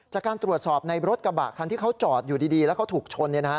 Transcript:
จากการตรวจสอบในรถกระบะคันที่เขาจอดอยู่ดีแล้วเขาถูกชน